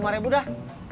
tujuh puluh lima ribu dah